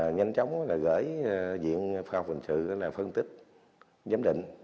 nhanh chóng là gửi viện phòng hình sự phân tích giám định